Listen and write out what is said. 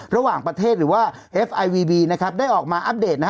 ระหว่างประเทศหรือว่าเอฟไอวีวีนะครับได้ออกมาอัปเดตนะฮะ